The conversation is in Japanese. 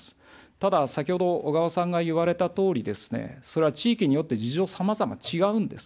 ただ、先ほど小川さんが言われたとおりですね、それは地域によって事情さまざま違うんです。